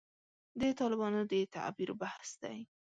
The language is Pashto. د طالبانو د تعبیر بحث دی.